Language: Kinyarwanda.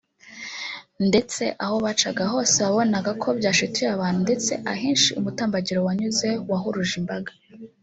ndetse aho bacaga hose wabonaga ko byashituye abantu ndetse ahenshi umutambagiro wanyuze wahuruje imbaga